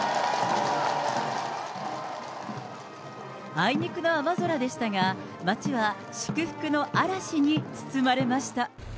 あいにくの雨空でしたが、街は祝福の嵐に包まれました。